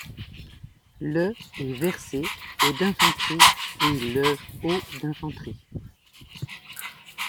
Le et versé au d'infanterie et le au d'infanterie.